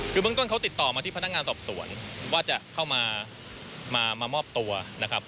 คือเบื้องต้นเขาติดต่อมาที่พนักงานสอบสวนว่าจะเข้ามามามอบตัวนะครับ